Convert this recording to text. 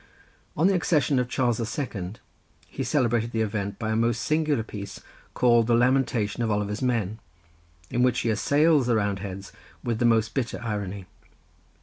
On the accession of Charles the Second he celebrated the event by a most singular piece called the Lamentation of Oliver's men, in which he assails the Roundheads with the most bitter irony.